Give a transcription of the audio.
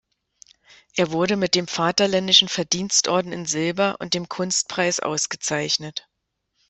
Er wurde mit dem Vaterländischen Verdienstorden in Silber und dem Kunstpreis ausgezeichnet.